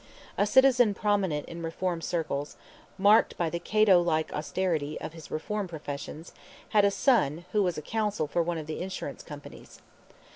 A citizen prominent in reform circles, marked by the Cato like austerity of his reform professions, had a son who was a counsel for one of the insurance companies.